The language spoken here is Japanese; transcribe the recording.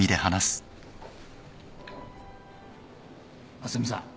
浅見さん。